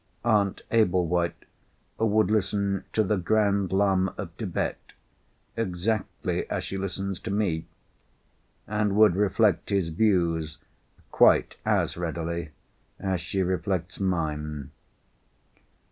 Aunt Ablewhite would listen to the Grand Lama of Thibet exactly as she listens to Me, and would reflect his views quite as readily as she reflects mine.